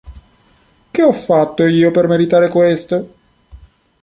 Che ho fatto io per meritare questo?